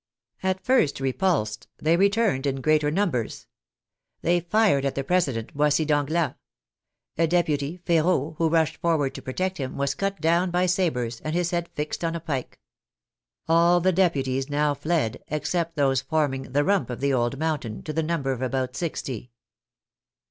At first re pulsed, they returned in greater numbers. They fired at the president, Boissy D'Anglas. A deputy, Feraud, who rushed forward to protect him, was cut down by sabres, and his head fixed on a pike. All the deputies now fled, except those forming the rump of the old Mountain, to the number of about sixty.